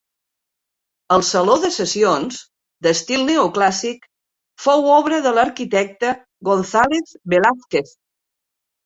El Saló de Sessions, d'estil neoclàssic, fou obra de l'arquitecte González Velázquez.